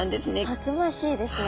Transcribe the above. たくましいですね。